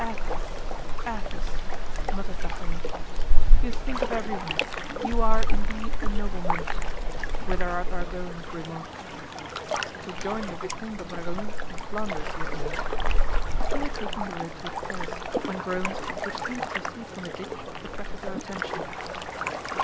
"Athos! Athos!" muttered D'Artagnan; "you think of every one; you are indeed a nobleman! Whither art thou going, Grimaud?" "To join the Vicomte de Bragelonne in Flanders, your honor." They were taking the road toward Paris, when groans, which seemed to proceed from a ditch, attracted their attention.